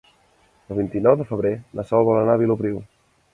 El vint-i-nou de febrer na Sol vol anar a Vilopriu.